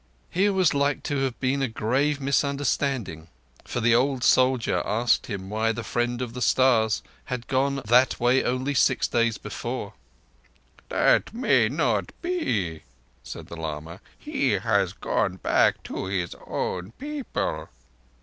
Here was like to have been a grave misunderstanding, for the old soldier asked him why the Friend of the Stars had gone that way only six days before. "That may not be," said the lama. "He has gone back to his own people."